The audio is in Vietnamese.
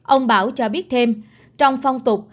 ông bảo cho biết thêm trong phong tục